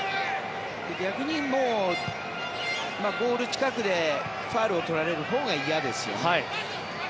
逆にゴール近くでファウルを取られるほうが嫌ですよね。